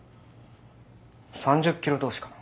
３０キロ同士かな。